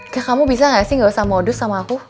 ya kamu bisa gak sih gak usah modus sama aku